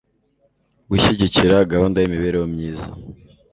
Gushyigikira gahunda y imibereho myiza